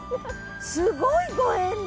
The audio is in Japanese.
すごいご縁ね。